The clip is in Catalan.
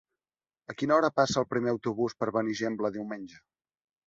A quina hora passa el primer autobús per Benigembla diumenge?